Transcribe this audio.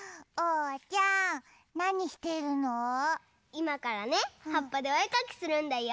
いまからねはっぱでおえかきするんだよ。